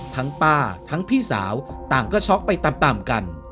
ป้าทั้งพี่สาวต่างก็ช็อกไปตามกัน